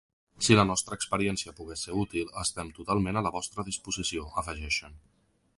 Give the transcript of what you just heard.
Si la nostra experiència pogués ser útil, estem totalment a la vostra disposició, afegeixen.